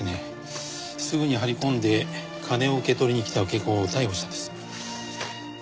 すぐに張り込んで金を受け取りに来た受け子を逮捕したんです。